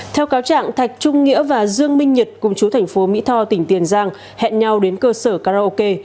theo cáo trạng thạch trung nghĩa và dương minh nhật cùng chú thành phố mỹ tho tỉnh tiền giang hẹn nhau đến cơ sở karaoke